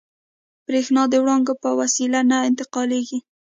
برېښنا د وړانګو په وسیله نه انتقالېږي.